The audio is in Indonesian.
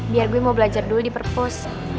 biar gue mau belajar dulu di purpose